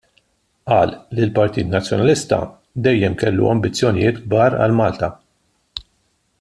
Qal li l-Partit Nazzjonalista dejjem kellu ambizzjonijiet kbar għal Malta.